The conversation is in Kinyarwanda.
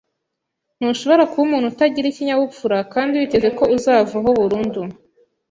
Ntushobora kuba umuntu utagira ikinyabupfura kandi witeze ko uzavaho burundu.